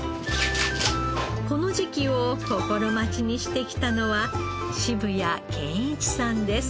この時期を心待ちにしてきたのは渋谷健一さんです。